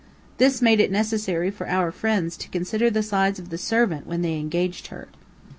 This made it necessary for our friends to consider the size of the servant when they engaged her.